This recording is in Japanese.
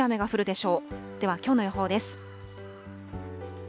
ではきょうの予報です。